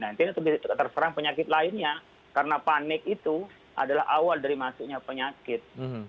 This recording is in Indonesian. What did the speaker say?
nantinya terserang penyakit lainnya karena panik itu adalah awal dari masuknya penyakit